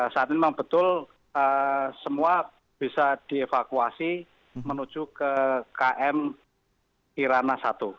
saat ini memang betul semua bisa dievakuasi menuju ke km kirana satu